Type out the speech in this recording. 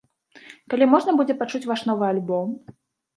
Калі можна будзе пачуць ваш новы альбом?